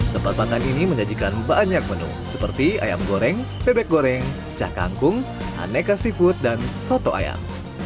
tempat tempatan ini menjadikan banyak menu seperti ayam goreng bebek goreng cakangkung aneka seafood dan soto ayam